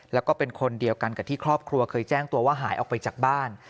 แล้วก็เป็นคนเดียวกันกับที่ครอบครัวเคยแจ้งตัวว่าหายออกไปจากบ้าน